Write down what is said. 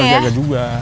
dan terjaga juga